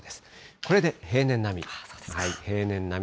これで平年並み。